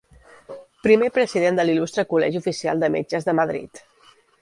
Primer president de l'Il·lustre Col·legi Oficial de Metges de Madrid.